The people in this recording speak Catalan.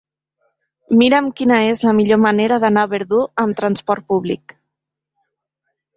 Mira'm quina és la millor manera d'anar a Verdú amb trasport públic.